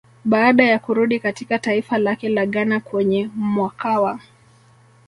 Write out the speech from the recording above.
Baada ya kurudi katika taifa lake la Ghana kwenye mwakawa